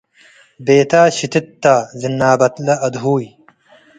ቤተ ሽትት ተ ዝናበትለ አድሁይ